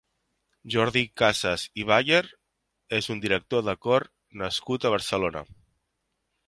Jordi Casas i Bayer és un director de cor nascut a Barcelona.